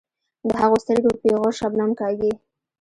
د هغو سترګې په پیغور شبنم کاږي.